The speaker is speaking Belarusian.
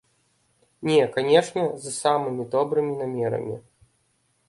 Не, канечне, з самымі добрымі намерамі.